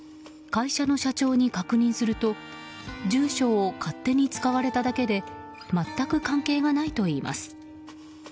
会社の社長に確認すると住所を勝手に使われただけで全く関係がないといいます。